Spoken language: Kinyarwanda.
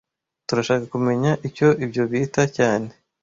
Turashaka kumenya icyo ibyo bita cyane